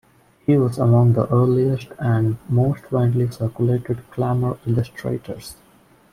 He was among the earliest and most widely circulated glamour illustrators.